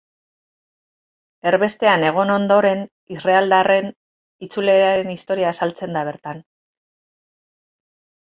Erbestean egon ondoren, israeldarren itzuleraren historia azaltzen da bertan.